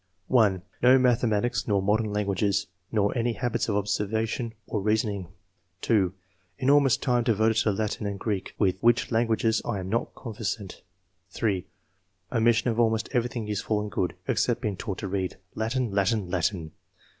(1) "No mathematics nor modern languages, nor any habits of observation or reasoning." (2) " Enormous time devoted to Latin and Greek, with which languages I am not conversant." (3) " Omission of almost everything useful and good, except being taught to read. Latin ! Latin 1 Latin